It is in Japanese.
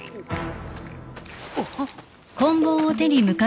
・あっ！？